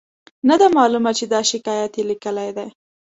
نه ده معلومه چې دا شکایت یې لیکلی دی.